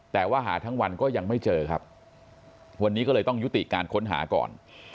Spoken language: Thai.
แต่ว่าหาทั้งวันก็ยังไม่เจอครับวันนี้ก็เลยต้องยุติการค้นหาก่อน